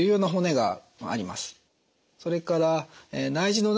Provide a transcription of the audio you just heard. それから内耳の中に